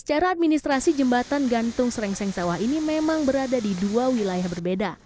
secara administrasi jembatan gantung serengseng sawah ini memang berada di dua wilayah berbeda